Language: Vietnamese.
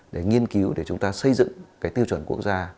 để nghiên cứu để chúng ta xây dựng cái tiêu chuẩn quốc gia